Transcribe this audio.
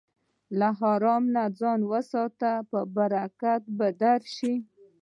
له حرامه ځان وساته، برکت به درشي.